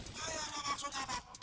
kayaknya maksud apa pak